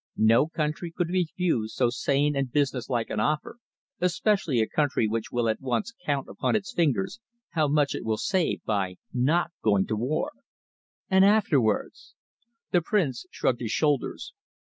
No country could refuse so sane and businesslike an offer, especially a country which will at once count upon its fingers how much it will save by not going to war." "And afterwards?" The Prince shrugged his shoulders.